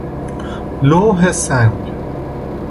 لوح سنگ